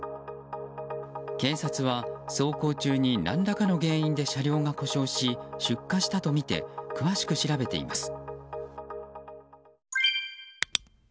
警察は走行中に何らかの原因で車両が故障し出火したとみて詳しく調べています。